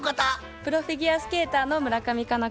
プロフィギュアスケーターの村上佳菜子です。